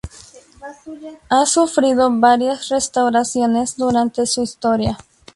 Ha sufrido varias restauraciones durante su historia.